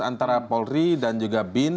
antara polri dan juga bin